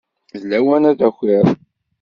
D lawan ad d-takiḍ.